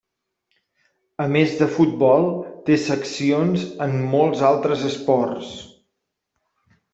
A més de futbol, té seccions en molts altres esports.